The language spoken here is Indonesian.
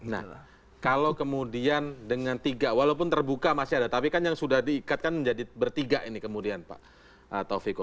nah kalau kemudian dengan tiga walaupun terbuka masih ada tapi kan yang sudah diikatkan menjadi bertiga ini kemudian pak taufiku